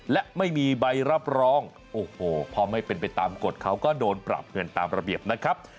และไม่มีใบรับรองโอ้โหพอไม่เป็นไปตามกฎเขาก็โดนปรับเงินตามระเบียบนะครับ